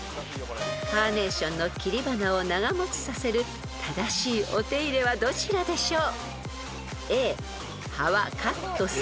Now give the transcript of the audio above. ［カーネーションの切り花を長持ちさせる正しいお手入れはどちらでしょう？］